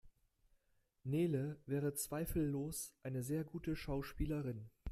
Nele wäre zweifellos eine sehr gute Schauspielerin.